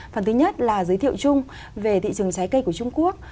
phần thứ nhất là giới thiệu chung về thị trường trái cây của trung quốc